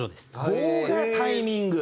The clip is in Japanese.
棒がタイミング？